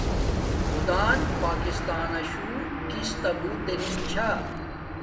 خدان پاکستاناشو کس تا بوت دنن چھا